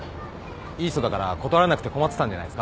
いい人だから断れなくて困ってたんじゃないですか？